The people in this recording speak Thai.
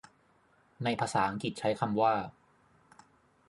ในภาษาอังกฤษใช้คำว่า